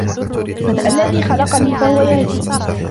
الَّذي خَلَقَني فَهُوَ يَهدينِ